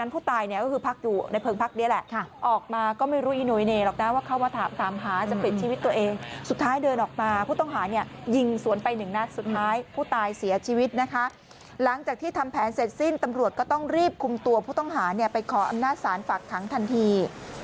ไปขออำนาจสารฝากคะครั้งทันที